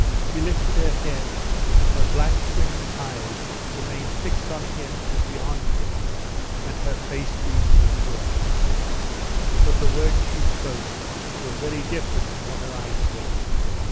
She lifted her head and her black squinting eyes remained fixed on him and beyond him, and her face beamed with joy. But the words she spoke were very different from what her eyes said.